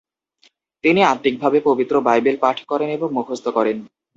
তিনি আত্মিকভাবে পবিত্র বাইবেল পাঠ করেন এবং মুখস্থ করেন।